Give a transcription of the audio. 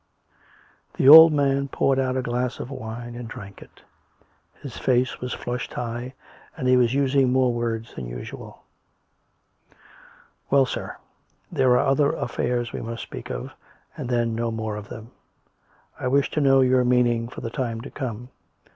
The old man poured out a glass of wine and drank it. His face was flushed high, and he was using more words than usual. COME RACK! COME ROPE! 115 " Well, sir, there are other affairs we must speak of ; and then no more of them. I wish to know your meaning for the time to come.